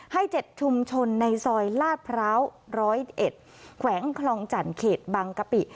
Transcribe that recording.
ให้๗ชุมชนในซอยลาดพร้าว๑๐๑แขวงคลองจันทร์เขตบางกะปิ